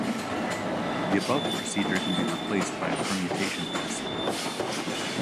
The above procedure can be replaced by a permutation test.